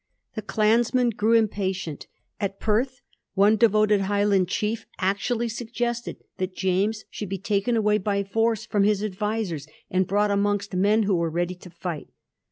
The clansmen grew impatient. At Perth, one devoted Highland chief .actually suggested that James should be taken away by force from his advisers, and brought amongst men who were ready to fight.